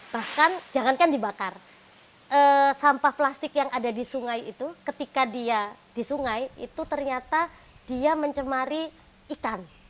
bahkan jangankan dibakar sampah plastik yang ada di sungai itu ketika dia di sungai itu ternyata dia mencemari ikan